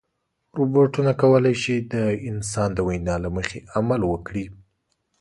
روبوټونه کولی شي د انسان د وینا له مخې عمل وکړي.